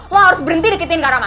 lo harus berhenti dikitin kak rama